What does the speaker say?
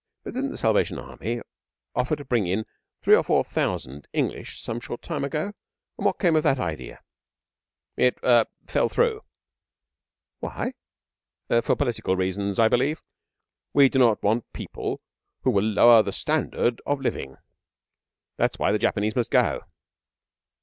'But didn't the Salvation Army offer to bring in three or four thousand English some short time ago? What came of that idea?' 'It er fell through.' 'Why?' 'For political reasons, I believe. We do not want People who will lower the Standard of Living. That is why the Japanese must go.'